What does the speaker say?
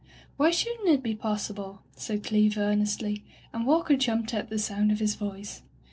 "Why shouldn't it be possible?" said Cleeve earnestly, and Walker jumped at the sound of his voice.